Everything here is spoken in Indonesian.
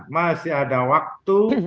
masih ada waktu